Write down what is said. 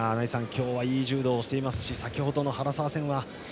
今日は、いい柔道をしていますし先程の原沢戦は。